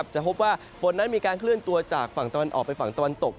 จะพบว่าฝนนั้นมีการเคลื่อนตัวจากฝั่งตะวันออกไปฝั่งตะวันตก